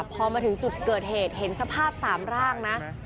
พอมาถึงจุดเกิดเหตุเห็นสภาพ๓ร่างนะ